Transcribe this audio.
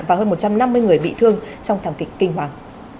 và hơn một trăm năm mươi người bị thương trong thảm kịch kinh hoàng